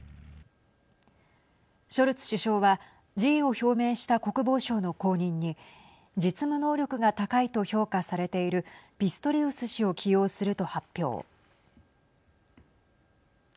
ショルツ首相は辞意を表明した国防相の後任に実務能力が高いと評価されているピストリウス氏を起用すると発表。